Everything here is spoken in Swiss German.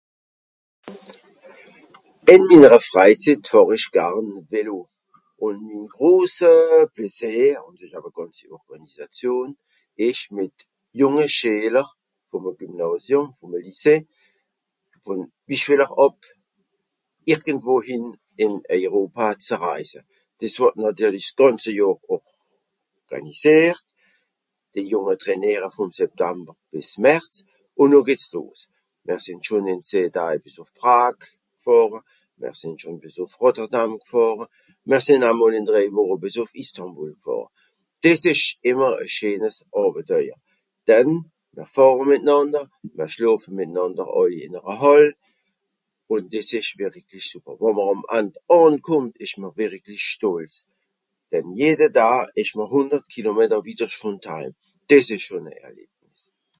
Ìn minnere Freizitt fàhr ich garn Vélo ùn min grose Pläsìr, ùn dìs ìsch àwer e gànzi Orgànisation, ìsch mìt jùnge Schìler, vùme Gymnàsium, vùme Lycée, vùn Bìschwìller àb, irgendwohìn ìn Europà ze reise. Dìs wùrd nàtirlisch s'gànze Johr orgànisìert, d'Jùnge trainìere vùn September bìs März. Ùn noh geht's los. Mìr sìnn schon ìn zeh Daï bìs ùf Prague gfàhre, mìr sìnn schon bìs ùff Rotherdam gfàhre, mìr sìnn au mol ìn drèi Woche bìs ùff Istanbul gfàhre. Dìs ìsch ìmmer e scheenes Àbeteuer. Denn, mìr fàhre mìtnànder, mìr schlofe mìtnànder àlli ìn'ere Hàll ùn dìs ìsch wericklich sùper, wà'mr àm And ànkùmmt ìsch mr wericklich Stolz, denn jede Daa ìsch mr hùndert Kilometer Wittersch vùn d'heim. Dìs ìsch schon e Erlebnis.